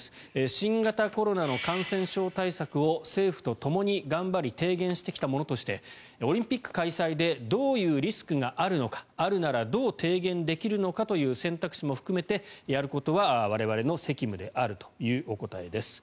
新型コロナの感染症対策を政府とともに頑張り提言してきた者としてオリンピック開催でどういうリスクがあるのかあるならどう提言できるのかという選択肢も含めてやることは我々の責務であるというお答えです。